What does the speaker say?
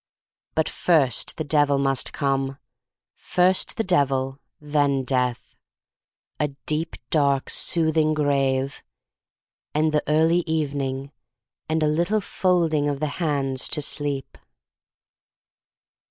But first the Devil must come. First the Devil, then Death: a deep dark soothing grave — and the early even ing, "and a little folding of the hands to sleep."